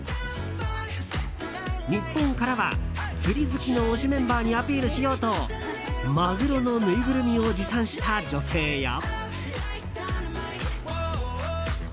日本からは、釣り好きの推しメンバーにアピールしようとマグロのぬいぐるみを持参した女性や。